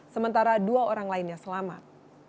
sementara dua orang lainnya selamat